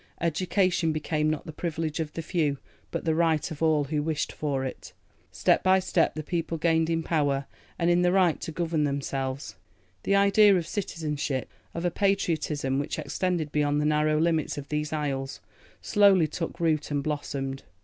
Education became not the privilege of the few but the right of all who wished for it. Step by step the people gained in power and in the right to govern themselves. The idea of citizenship, of a patriotism which extended beyond the narrow limits of these isles, slowly took root and blossomed.